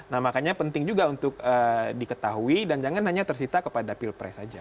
nah makanya penting juga untuk diketahui dan jangan hanya tersita kepada pilpres saja